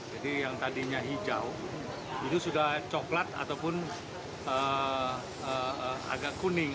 jadi yang tadinya hijau itu sudah coklat ataupun agak kuning